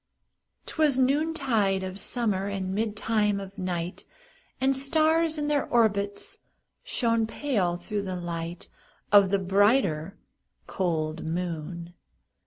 'Twas noontide of summer, And midtime of night, And stars, in their orbits, Shone pale, through the light Of the brighter, cold moon.